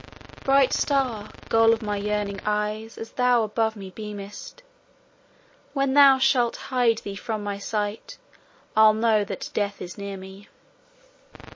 Bright star, goal of my yearning eyes As thou above me beamest, When thou shalt hide thee from my sight I'll know that death is near me.